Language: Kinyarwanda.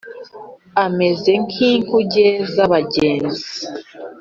ameze nk’inkuge z’abagenza,